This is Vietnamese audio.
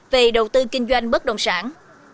về đầu tư kinh doanh bất đồng sản